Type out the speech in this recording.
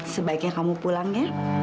sebaiknya kamu pulang ya